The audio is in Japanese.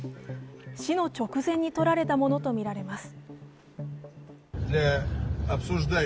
死の直前に撮られたものとみられます。